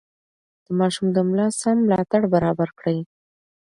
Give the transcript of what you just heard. د ماشوم د ملا سم ملاتړ برابر کړئ.